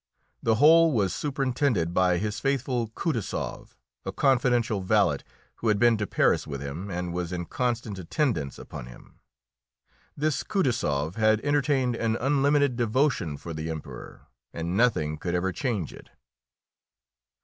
The whole was superintended by his faithful Kutaisoff, a confidential valet who had been to Paris with him and was in constant attendance upon him. This Kutaisoff had entertained an unlimited devotion for the Emperor, and nothing could ever change it.